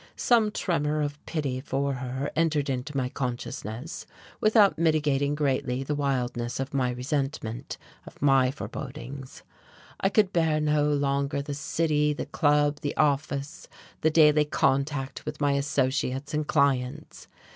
Some tremor of pity for her entered into my consciousness, without mitigating greatly the wildness of my resentment, of my forebodings. I could bear no longer the city, the Club, the office, the daily contact with my associates and clients.